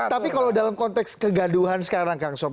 tapi kalau dalam konteks kegaduhan sekarang kang sob